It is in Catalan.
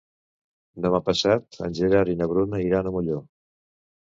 Demà passat en Gerard i na Bruna iran a Molló.